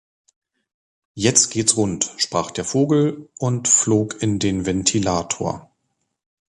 Jetzt gehts rund, sprach der Vogel und flog in den Ventilator.